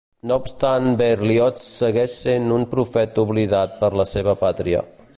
No obstant Berlioz segueix sent un profeta oblidat per la seva pàtria.